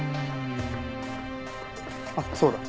あっそうだ。